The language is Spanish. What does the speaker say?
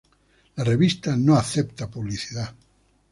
La revista no acepta publicidad.